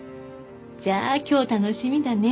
じゃあ今日楽しみだね。